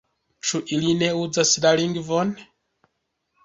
Ĉu ili ne uzas la lingvon?